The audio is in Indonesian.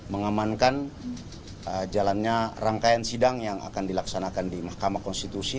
mengamankan jalannya rangkaian sidang yang akan dilaksanakan di mahkamah konstitusi